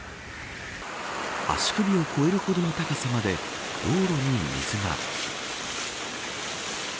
足首を超えるほどの高さまで道路に水が。